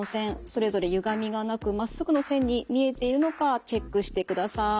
それぞれゆがみがなくまっすぐの線に見えているのかチェックしてください。